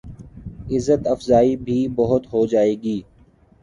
عزت افزائی بھی بہت ہو جائے گی۔